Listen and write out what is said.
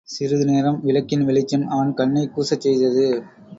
சிறிதுநேரம், விளக்கின் வெளிச்சம் அவன் கண்ணைக் கூசச் செய்தது.